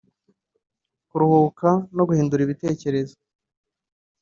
kuruhuka no guhindura ibitekerezo